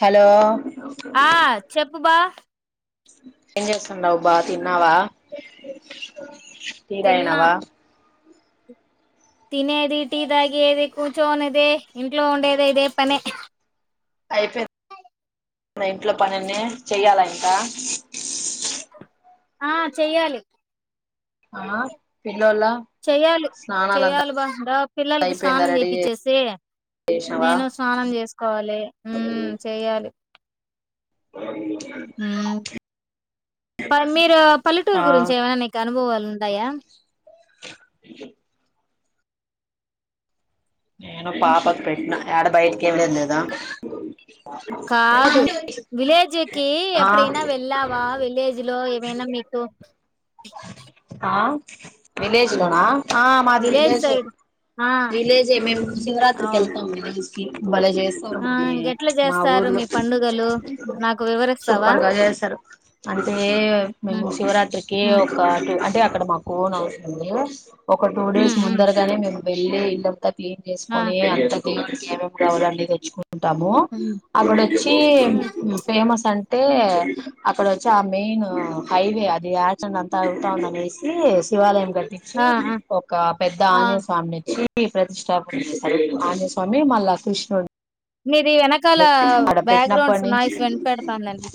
Hello ఆ చెప్పు బా ఏం చేస్తున్నాడవు బా తిన్నావా టీ తిన్నా తాగినవా తినేది టీ దాగేది కూర్చోనిదే ఇంట్లో ఉండేదే ఇదే పనే అయిపోయింది ఇంట్లో పనిన్ని చెయ్యాలా ఇంకా ఆ చెయ్యాలి ఆ పిల్లోల్ల చెయ్యాలి స్నానాలంతా చెయ్యాలి బా గుడా పిల్లలకి అయిపోయిందా స్నానం రెడీ చేయిచ్చేసి చేసినవా నేను స్నానం చేసుకోవాలి చెయ్యాలి ఉమ్ మీరు పల్లెటూరు ఆ గురించి ఏమైనా నీకు అనుభవాలు ఉందాయా ఇ నేను పాపకు పెట్టినా యాడ బయటికి ఎల్లేది లేదు కాదు విలేజ్కి ఆ ఎప్పుడైనా వెళ్ళావా విలేజ్ లో ఏమైనా మీకు ఆ విలేజ్ లో నా ఆ మాది విలేజ్ విలేజే సైడ్ ఆ విలేజే మేము శివరాత్రికి అవు వెళ్తాం విలేజ్ [unintelligible] బలే చేస్తారు ఆ మమ్మీ ఇంకెట్లా మా చేస్తారు ఊర్లు మీ పండుగలు నాకు వివరిస్తావా సూపర్గా చేస్తారు అంటే ఏ హ్మ్. మేము శివరాత్రి ఒకే హ్మ్. ఒక [unintelligible] అంటే అక్కడ మాకు ఓన్ హౌస్ ఉంది ఒక టూ హ్మ్. Days hmm. ముందరగానే మేము బే ఈడే ఇంటం అంత క్లీన్ ఆ! చేసుకొని అంత [inaudible] కుంటాము హ్మ్. అక్కడొచ్చి హ్మ్. ఫేమస్ అంటే తే అక్కడ వచ్చి ఆ మెయిన్ హైవే అది అంతా అగుతుంది అనేసి శివాలయం తిచ్చి ఆ! ఆ! ఒక పెద్ద ఆ! ఆంజనేయ స్వామిని ఇచ్చి ప్రతిష్టాపన చేస్తారు ఆంజనేయ స్వామి మళ్ళా కృష్ణుడు మీది వెనకాల ఆడ పెట్టినప్పటి బ్యాక్గ్రౌండ్స్ నుంచి నాయిస్ వినపెడతాందండి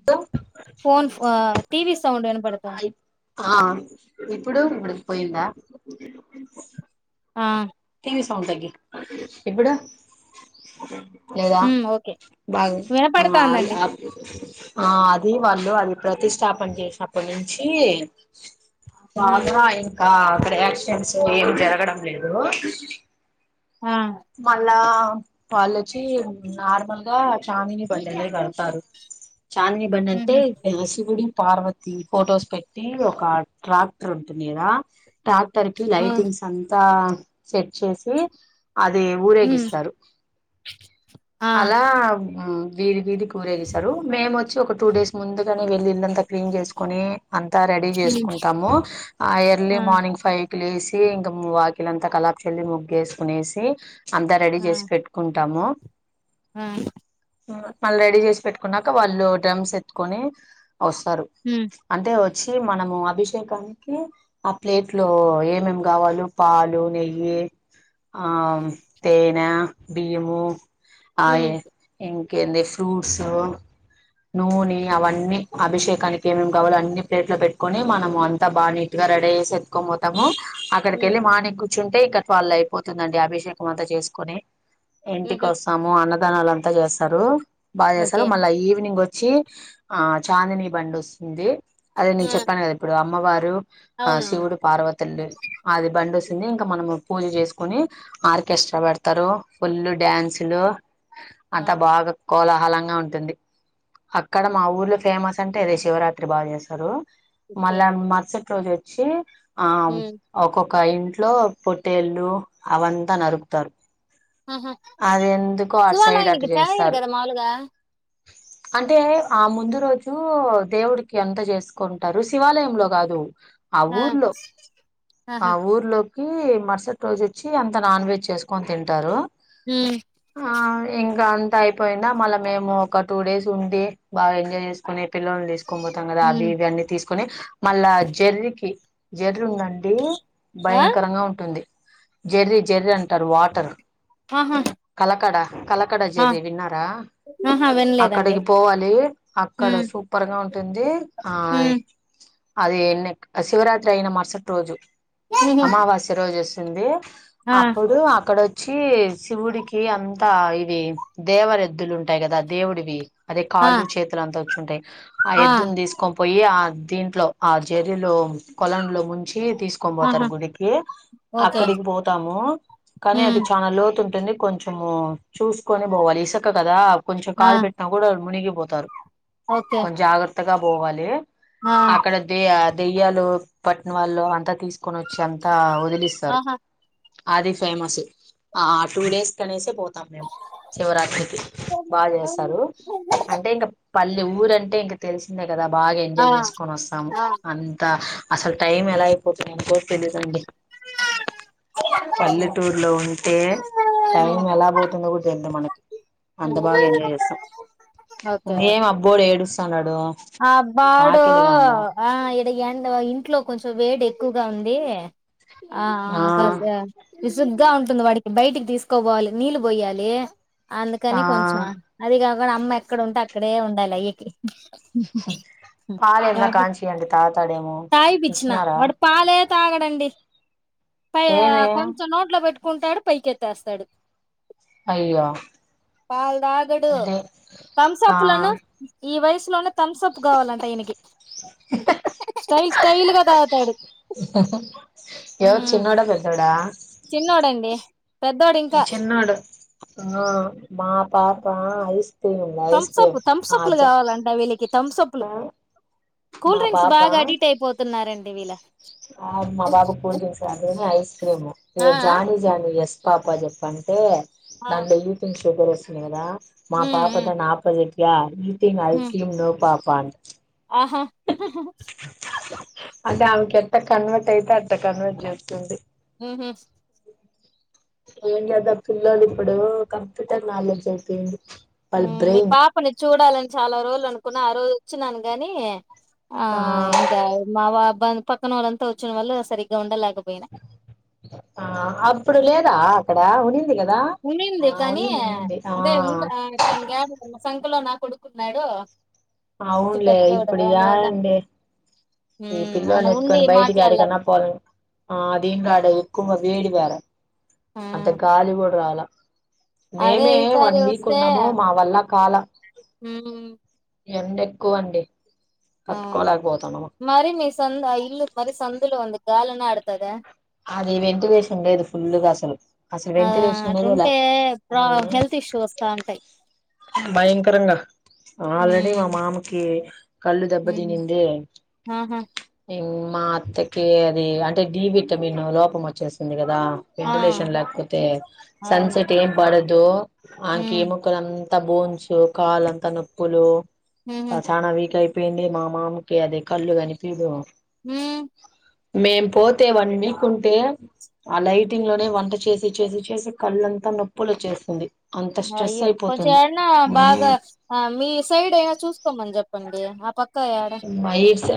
ఇక ఫోన్ టీ వీ సౌండ్ వినపడుతుంది ఆ ఇప్పుడు పోందా ఆ టీ వీ సౌండ్ తగ్గించు ఇప్పుడు లేదా హ్మ్. ఓకే. బాగా వినపడతాందండి. అది వాళ్ళు అది ప్రతిష్టాపన చేసినప్పటి నుంచి అ అద హ్మ్. ఇంకా అక్కడ యాక్సిడెంట్స్ ఏం జరగడం లేదు ఆ! మళ్ళ వెళ్ళొచ్చి నార్మల్గా చాందిని బలనే కడతారు చాందిని బన్నంతే హుహు. హసు గుడి పార్వతి ఫొటోస్ పెట్టి ఒక ట్రాక్టర్ ఉంటుంది కదా ట్రాక్టర్ కి ఆ! లైటింగ్స్ అంతా సెట్ చేసి అది హ్మ్. ఊరేగిస్తారు ఆ! అలా హు వీధి వీధి కి కూరేగిసారు మేము వచ్చి ఒక టూ డేస్ ముందుగానే వెళ్ళి ఇళ్ళంతా క్లీన్ చేసుకొని అంతా రెడీ హ్మ్. చేసుకుంటాము ఆ ఎర్లీ మార్నింగ్ ఫైవ్ లేసి ఇంకా వాకిలంతా కలాపి చల్లి ముగ్గు వేసుకునేసి అంతా రెడీ చేసి పెట్టుకుంటాము ఉమ్ మళ్ళీ రెడీ చేసి పెట్టుకున్నాక వాళ్ళు డ్రమ్స్ ఎత్కొని వస్తారు హ్మ్. అంటే సి మనము అభిషేకం కి ఆ ప్లేట్ లో ఏమేం కావాలో పాలు నెయ్యి ఆ తేనా బియ్యము హ్మ్. ఆయేం ఇంకెంద్ది ఫ్రూట్స్ నూనె అవన్నీ అభిషేకానికి ఏమేం కావాలో అన్ని ప్లేట్ లో పెట్టుకొని మనం అంతా బా నీట్ గా రెడీ అసి ఎత్తుకొని పోతాము. అక్కడక హ్మ్. వెళ్లి మానికు కూర్చుంటే ఇక్క వాళ్ళు అయిపోతుందండి అభిషేకం అంతా చేసుకుని ఇంటికి హుహు. వస్తాము అన్నమ్ విధానాల అంతా చేస్తారు బాగా చేస్తారు ఓకే. మళ్ళా ఈవినింగ్ వచ్చి ఆ చాందినీ బండి వస్తుంది అదే నేను ఆ! చెప్పాను కాద ఇప్పుడు అమ్మవారు ఆ అవునవును. శివుడు పార్వతలది అది బండి హ్మ్. వస్తే మన పూజ చేసుకుని ఆర్కెస్ట్రా పెడతారు ఫుల్ డ్యాన్సులు ఆ! అంతా బాగుంది కోలాహలంగా ఉంటుంది అక్కడ మా ఊర్లో ఫేమస్ అంటే అదే శివరాత్రి బాగా చేస్తారు మళ్ళ ఓకే. మరుసటి తెచ్చి ఆ హ్మ్. ఒక్కో కైట్లు ఇట్లో పొట్టేళ్ళు అవంతా నరుకుతారు ఆహా అది ఎందుకో అటు సైడ్ అటు సువాలానికి చాయ్ ఇయ్యరు చేస్తారు కదా మాములుగా అంటే ఆ ముందు రోజు దేవుడికి ఎంత చేసుకుంటారు శివాలయంలో కాదు ఆ ఊర్లో ఆ ఆహా! ఊర్లో మరుసటి రోజు వచ్చి అంత నాన్ వెజ్ చేసుకొని తింటారు హ్మ్. ఆ ఇంకా అంత అయిపోయింద మళ్ళీ మేము ఒక టూ డేస్ ఉండి బాగా ఎంజాయ్ చేసుకుని పిల్లోన్ని తీసుకు తీసుకొని పోతాం కదా అవి హ్మ్. ఇవన్నీ తీసుకొని మళ్ళా జర్నీ కి జెర్రీ ఉందడి ఆ బ్యాక్ ఉంటుంది జెర్రీ జెర్రీ అంటారు వాటర్ ఆహా కలకడ కలకడ ఆ జెర్రీ విన్నారా ఆహా వినలేదండి అక్కడికి పోవాలి అక్కడ ఉమ్ సూపర్ గా ఉంటు అంటే ఆయ్ ఉమ్ అది ఎన్ని ఆ శివరాత్రి అయిన మరుసటి రోజు ఉహు అమావాస్య రోజు వా ఉంది ఆ అప్పుడు అక్కడ చ్చి శివుడికి అంతా ఇది దేవరెద్దులు ఉంటాయి కదా దేవుడివి అదే ఆ కాళ్లు చేతులు అంతా వచ్చు అంటే ఆ ఎద్దుని తీసుకొ పోయి ఆ దీంట్లో ఆ జరలో కొల లో ముంచి తీ ఆహా గుడికి ఓకే అక్కడికి పోతాము కానీ అది ఉమ్ చాలా లోతుంట ఉంటుంది కొంచెము చూసుకొని పోవాలి ఇసక కదా కొంచెం ఆ కాలు పెట్టినా కూడా మునిగి పోతారు ఓకే కొంచెం జాగా ఎత్తగా పోవాలి ఆ ఆక్కడ దే దెయ్యాలు పట్టిన వాళ్ళ అంతా తీసుకు కొని వచ్చి అంత వదిలిస్తారు ఆహా అది ఫేమస్ ఆ టూ డేస్ కనేసే పో తే శివరాత్రికి బాగా చేస్తారు అంటే ఇంకా పల్ల ఊరు అంటే ఇంక తెలిసింద కదా బాగా ఆ ఎంజాయ్ చేసుకొని వస్తాం ఆ అంతా అసలు టైమ్ ఎలాపో కోడి సంగడి పల్లెటూరు లో ఉంటే టైం ఎలా పోతుందో కూడా తెంది మనకి అంత బాగా ఎంజాయ్ ఓకే చేస్తాము అబ్బోడు ఏడు అనాడు ఆ బాడో ఆ ఇడ ఎడ్ ఇంట్లో కొంచెం వేడే ఎక్కువగా ఉంది ఆ కాస ఆ విసుగ్గా ఉంటుంది వాడికి బయటికి తీసుకోపోవాలి నీళ్ళు పోయ్యాలి ఆ అందుకని కొంచెం అది కాకుండా అమ్మ ఎక్కడ ఉంటే అ ఇక్కడే ఉండాలి అయ్యకి పాలు ఎంద కాంచియండి తాగుతాడేమో తాగి పిచ్చిన ఇచ్చినారా వాడు పాలే తాగడండి పై ఏమి కొంచెం నోట్ లో పెట్టు కుంటాడు పైకెత్స్తాడు అయ్యో పాల్ తాగడు అదే థమ్స ఆ అప్లను ఈ వయసుసు థమ్స్ అప్ కావాలంటే వియనకి స్టైల్ స్టైల్గా తాగుతాడు వత్ చిన్నోడ బోడా చిన్నోడండి పెద్దోడు ఇంకా చిన్నోడు ఆ మా పాపా ఐస్ క్రీమ్ ఉంది ఐస్ తంసప్ క్రీమ్ ఆ తంసప్ లు జ కావాలంట వీళ్ళకి థమ్స్ప్లు కూల్ మా డ్రింక్స్ పాప బాగా అడీట్ అయిపోతున్నాయి రండి వీలా ఆ మా బాబు కూల్ డ్రింక్స్ అ ఐస్ క్రీము ఇ ఆ జానీి జానీి ఎస్ పాప చెప్పంటే ఆ నా సుగర్ వస్తుినదా మా ఉమ్ ఉమ్ పాపతా నాపది ఎ ్యా ఈ త ఉమ్ అల్కం నో పాపాం ఆహా అదే ఆమెకి ఎట్ట కన్వర్ట్ అయితే అట్ట కన్వర్ట్ చేస్తుంది హ ఏం చేదం పిల్లలు ఇప్పుడు కంప్యూటర్ నాలెడ్జ్ అయిపోయింది వాళ్ళ మీ బ్రెయిన్ పాపని చూడాలని చాలా రోజులు అనుకు కు ఆ రోజు వచ్చినను గాని ఆ ఇకా మావబ్బా పక్కన వాళ్ళంత వచ్చిన వాళ్ళు సరిగ ఉండల ఆ అప్పుడు లేదా ఎ ఉందిగా ఉడింది కానీ అదే ఉ ఇక్కలో నా కొడుక్కున్నాడు అవునులే ఇప్పుడు య అండి ఈ ఉమ్ ఆయన పిల్లవాలు ఉండి ఎట్కడి బయటికి అడికిన్నా మాట్లాడలేకపోయినా పోలే ఆ అదీం ఆడ కుమ వేడి వేర ఆ అంత గాలి కూడా రావాల అదే మేమే ఈసారి వన్ వీక్ ఉన్నాము మా వల్ల కాాల హ ఎండ ఎక్కువ అండి ఆ తట్టుకోలేకపోతున్నాము మరి మీ సంత ఇల్ మరి సందులు వ గాాలన ఆడతుద అది వెంటిలేషన్ ఉండేది ఫుల్గా అసలు అసలు ఆ వెంటిలేషన్ ఉండేదిలా అటుంటే ప్రా హెల్త్ ఇష్యూ వస్తా ఉంటాయి భయంకరంగా ఆల్రెడీ మా హ్మ్ మామకి కళ్ళు దెబతి హ్మ్ నిందిే ఆహా ఇ మా అత్తకి అది అంటే డబ న్ లోపం వచ్చేస్తుంది కదా ా ఆ వెంటిలేషన్ లేకపోతే సన్ అవును సెట్ ఏం పడ దో ఆనికి హ్మ్ ఏముక్కరం అంత బోన్సు కాలుంతా నొప్పులు ఉహు ప చానా వకాయి ప్పయింది మా మామికి అది కళ్ళు కాని పీడు హ మేం పోతేవండి మీకుంటే ఆ లైటింగ్ లోనే వంట చేసి చేసి చేసి కళ్ళంతా నొప్పులు వచ్చేస్తుంది అంత స్ట్రెస్ అయ్యో కొంచెం అయిపోతుంది ఏరనా బాగా మీ సైడ్ అయినా చూసుకోమని చెప్ప ప్పండి ఆ పక్క క్కయడ మైట్స్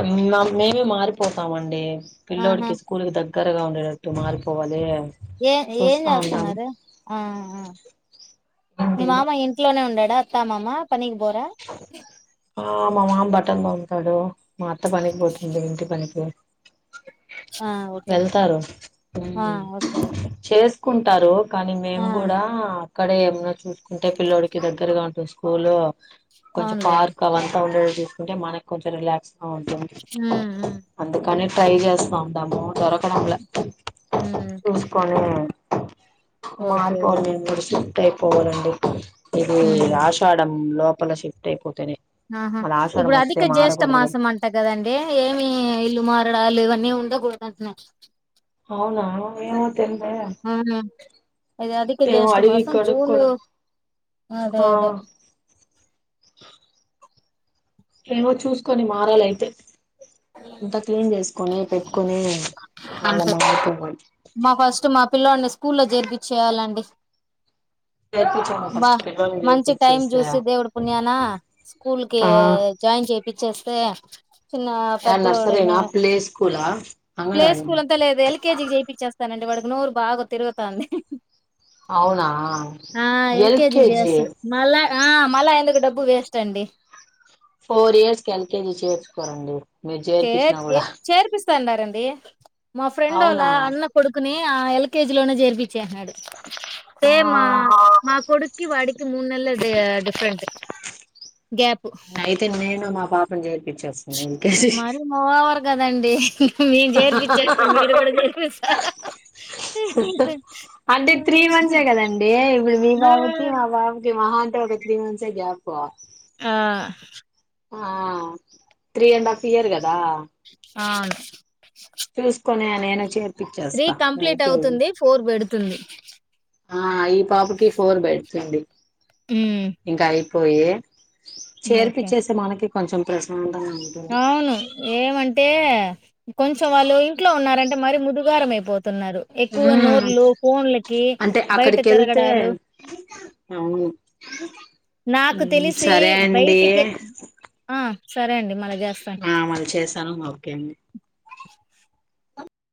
మేమే మారిపోతామండి ఆహా పిల్లడికి స్కూల్ క దగ చక్కరగా ఉండేటట్టు మారిపోవాలి ఏం ఏం చూస్తా ఉన్నాం చేస్తున్నారు ఆ మీ ఏంది మామ ఇంట్లోనే ఉండా స్తమమ్మ ప బరా ఆ మా మామ్ బట్టంగా ఉంటాడు మా అత్త పనికి పోతుంది ఇంటి పనికి ఆ ఓకే వెళ్తారు ఓకేఓకే కుంటారు కానీ మేము కూడా అక్కడ ఏమన్నాో చూసుకుంటే పిల్లోడికి దగ్గరగా ఉంటుంది స్కూల్ కొంచం అవునులేండి పార్క్ అ వంతా ఉండదు ంటే మనకు కొంచెం రిలాక్స్ అవుంటం హ్మ్ హ్మ్ అంత కనీ ట్రై చేస్తా ఉంటాము దొరకడంల హ్మ్ చూసుకొని ఓకే మాపో ఓకే సుట్టాయి పోవడంండి ఇది హ్మ్. ఆషాఢ లో పప్ప టైపోతేనే ఆహా ఇప్పుడు అధిక జ్యేష్ట కదా మాసం అంటా కదండి ఏమి ఇల్లు మాస డాలు ఇవన్నీ ఉండకూడద అంటనే అవునా తెలిదే ఇది అధిక ఏమో జేష్ట అడిగి మాసం జూను కనుక్కోను అదే ఆ అదే ఏమో చూసుకొని మారాలయితే ఇంత క్లీన్ చేసుకొని పెట్టుకొని మళ్ళా అంతే. మారుపోవాలి స్కూల్లో జరిపి చేేయాలండి చేర్పించాము బా ఫస్ట్ పిల్లల్ని మంచి టైమ్ చేర్పించేసా చూసి దేవుడి పుణ్యాన స్కూల్ కి ఆ జాయిన్ చేపిచ్చేస్త స చిన్న యా పెద్ద నర్సరీనా ప్లే స్కూలా ప్లే అంగన్వాడి స్కూల్ అంతా లేదు ఎల్కేజీకి చేయిించేస్తానండి వాడు అ నూరు బాగా తిరుగుత అంది అవునా ఆ ఎల్కే ఎల్కేజీ దజస్ మళ్ళ ఆ మళ్ళా ఎందుకు డబ్బు వేస్ట్ అండి ఫోర్ ఇయర్స్ కి ఎల్కేజీ చేర్చుకోరండి మీరు చేర్ చేర్పించినా చే కూడా చేర్పిస్తాన్నార ఎంత అ మా ఫ్రెంోల అవునా అన్న కొడుకునే ఆ ఎల్కేజి లోనే జర్పించేసన్నాడు ఆ ఏే మా మా కొడుకి వాడికి మూడు నెల డిఫరెంట్ గ్యాప్ మే ఇస్తుక మరి ఓవర్ కదండి మీ జేర్పిచ్చ కూడా జర్పి అంటే త్రీ మంత్సే కదండి ఇప్పుడు మీ ఆ బాబుకి మా బాబుకి మహా తు సడిపో ఆ ఆ త్రీ అండ్ హఫ్ ఇయర్గా దా అవును చూసుకొనే అ త్రీ కంప్లీట్ అవుతుంది ఫోర్ పెడుతుంది ఆ ఈ పాపకి ఫోర్ బెడ్స్ అండి హ పోయిే చేర్పిచ్చేసి మనకి కొంచెం కేసా అవును ఏమంటే కొంచెం వాళ్ళు ఇంట్లో ఉన్నారండి మరి ముదుగాారమైపోతు ఎక్కువ మ్మ్ నోర్లు ఫన్లకి అంటే బయట అక్కడికి వెళ్తే తిరగడాలు అవును నాకు ఉమ్ తెలిసి సరే అండి బయటికి ఆ సరే అండి మళ ఆ మళ్ళీ చేశాను ఓకే అండి